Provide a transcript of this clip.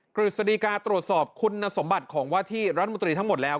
กฤษฎีกาตรวจสอบคุณสมบัติของว่าที่รัฐมนตรีทั้งหมดแล้ว